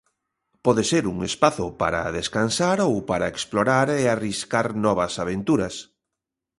Pode ser un espazo para descansar ou para explorar e arriscar novas aventuras.